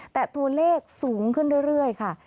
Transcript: แต่ตัวเลขสูงขึ้นเรื่อยค่ะ